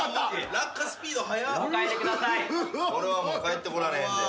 これはもう帰ってこられへんで。